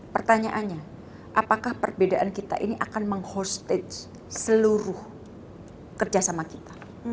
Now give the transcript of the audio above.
pertanyaannya apakah perbedaan kita ini akan menghorstage seluruh kerjasama kita